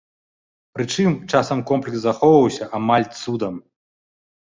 Прычым, часам комплекс захоўваўся амаль цудам.